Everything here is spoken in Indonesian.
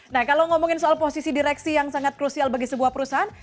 nah kalau ngomongin soal posisi direksi yang sangat krusial bagi sebuah perusahaan